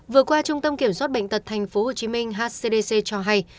vừa qua trung tâm kiểm soát bệnh tật tp hcm hcdc cho hay